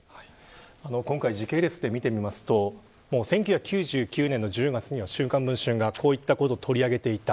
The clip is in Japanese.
今回、時系列で見ると１９９９年の１０月には週刊文春がこういったことを取り上げていた。